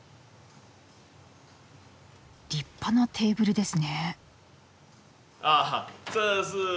立派なテーブルですね。